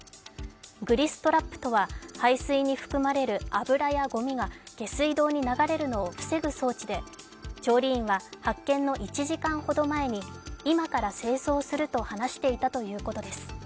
グリストラップとは排水に含まれる油やごみが下水道に流れるのを防ぐ装置で調理員は発見の１時間前に、今から清掃すると話していたということです。